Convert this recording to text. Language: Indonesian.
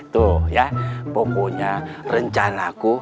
toh ya pokoknya rencana aku